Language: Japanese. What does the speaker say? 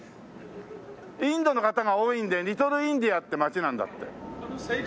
インドの方が多いのでリトルインディアって街なんだって。